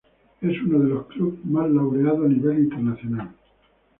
Es uno de los clubes más laureados a nivel internacional.